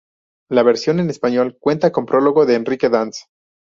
La versión en español cuenta con prólogo de Enrique Dans.